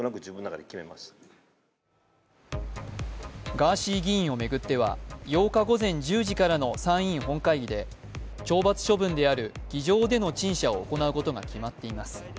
ガーシー議員を巡っては８日午前１０時からの参院本会議で懲罰処分である議場での陳謝を行うことが決まっています。